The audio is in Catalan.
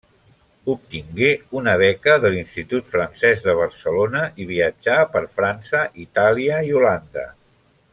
Obtingué una beca de l'Institut Francès de Barcelona i viatjà per França, Itàlia i Holanda.